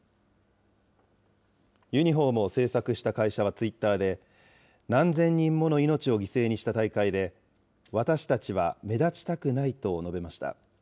ユニホームを制作した会社はツイッターで、何千人もの命を犠牲にした大会で、私たちは目立ちたくないと述べました。